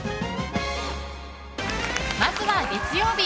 まずは月曜日。